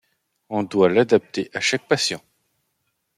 On doit l'adapter à chaque patient.